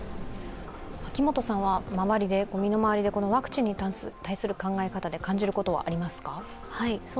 秋元さんは身の回りでワクチンに対する考え方で感じることはありますか？